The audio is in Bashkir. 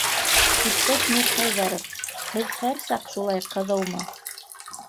Иптәш Мирхәйҙәров, һеҙ... һәр саҡ шулай ҡыҙыумы?